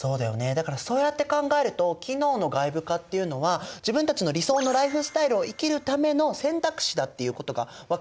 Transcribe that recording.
だからそうやって考えると機能の外部化っていうのは自分たちの理想のライフスタイルを生きるための選択肢だっていうことが分かるよね。